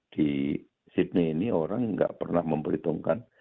di sydney ini orang nggak pernah memperhitungkan